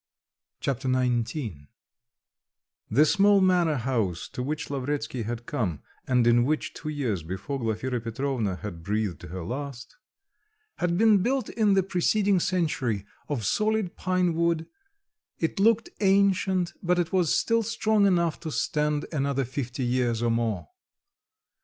Chapter XIX The small manor house to which Lavretsky had come and in which two years before Glafira Petrovna had breathed her last, had been built in the preceding century of solid pine wood; it looked ancient, but it was still strong enough to stand another fifty years or more.